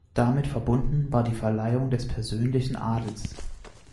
Damit verbunden war die Verleihung des persönlichen Adels.